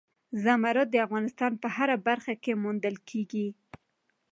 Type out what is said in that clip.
زمرد د افغانستان په هره برخه کې موندل کېږي.